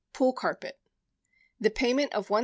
POOL CARPET The payment of $1,277.